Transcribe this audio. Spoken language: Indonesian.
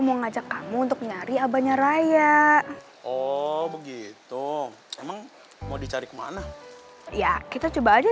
mau ngajak kamu untuk nyari abahnya raya oh begitu emang mau dicari kemana ya kita coba aja